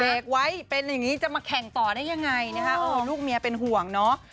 เบรกไว้เป็นอย่างนี้จะมาแข่งต่อยังไงลูกเมียเป็นห่วงเนอะ